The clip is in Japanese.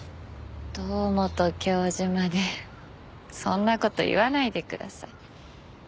堂本教授までそんな事言わないでください。